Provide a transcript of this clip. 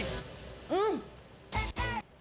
うん。